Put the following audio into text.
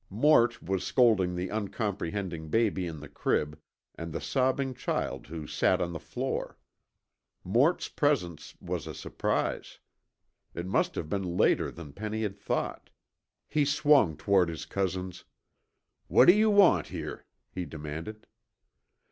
Mort was scolding the uncomprehending baby in the crib and the sobbing child who sat on the floor. Mort's presence was a surprise. It must have been later than Penny had thought. He swung toward his cousin. "What do you want here?" he demanded.